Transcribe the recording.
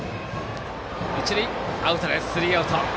一塁、アウト、スリーアウト。